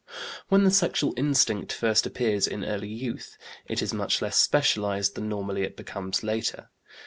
When the sexual instinct first appears in early youth, it is much less specialized than normally it becomes later.